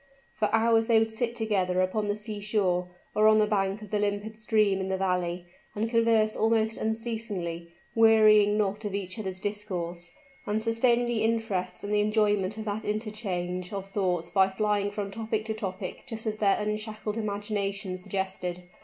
For hours would they sit together upon the seashore, or on the bank of the limpid stream in the valley, and converse almost unceasingly, wearying not of each other's discourse, and sustaining the interests and the enjoyment of that interchange of thoughts by flying from topic to topic just as their unshackled imagination suggested.